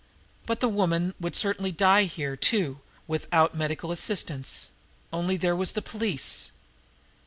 But the woman would certainly die here, too, with out medical assistance only there was the police!